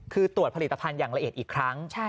คือตรวจผลิตภัณฑ์อย่างละเอียดอีกครั้ง